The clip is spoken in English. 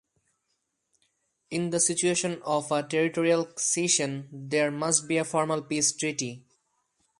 In the situation of a territorial cession, there must be a formal peace treaty.